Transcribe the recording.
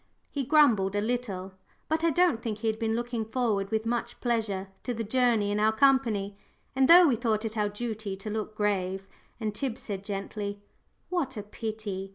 He grumbled a little, but I don't think he had been looking forward with much pleasure to the journey in our company, and though we thought it our duty to look grave, and Tib said gently, "What a pity!"